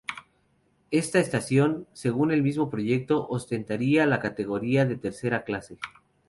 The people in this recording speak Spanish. Esta estación, según el mismo proyecto, ostentaría la categoría de tercera clase.